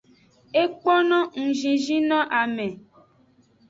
Ekpo no ngzinzin noame.